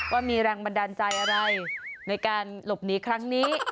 ว่ามีแรงบันดาลใจอะไรในการหลบหนีครั้งนี้